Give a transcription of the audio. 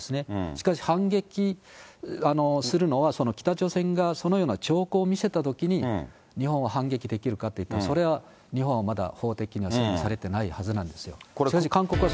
しかし、反撃するのは北朝鮮側がそのような兆候を見せたときに、日本は反撃できるかっていったら、それは日本はまだ法的に整備されてないはずなんですよ。